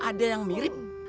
ada yang mirip